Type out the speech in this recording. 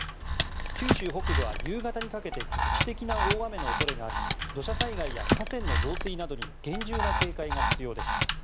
九州北部は夕方にかけて局地的な大雨の恐れがあり土砂災害や河川の増水などに厳重な警戒が必要です。